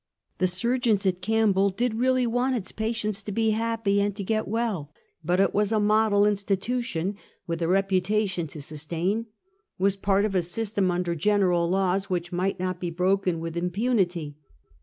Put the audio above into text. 275 The surgeons of Campbell did really want its pa tients to be happy and get well ; but it was a model institution, with a reputation to sustain; was part of a system under general laws, which might not be broken with impunity.